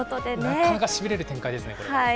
なかなかしびれる展開ですね、これ。